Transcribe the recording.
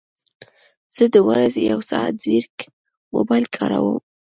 زه د ورځې یو ساعت ځیرک موبایل کاروم